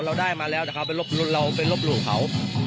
เราได้มาแล้วแต่เขาไปเราไปลบหลู่เขา